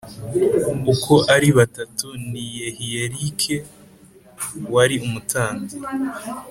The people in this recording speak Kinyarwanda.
uko ari batatu ni Yehiyelic wari umutambyi